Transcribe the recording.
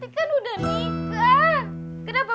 mak tadi kan udah nikah